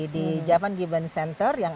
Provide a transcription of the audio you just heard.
di japan given center yang